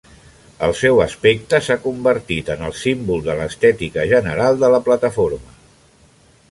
El seu aspecte s'ha convertit en el símbol de l'estètica general de la plataforma.